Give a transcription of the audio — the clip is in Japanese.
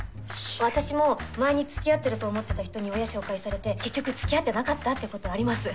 私も前につきあってると思ってた人に親紹介されて結局つきあってなかったってことあります。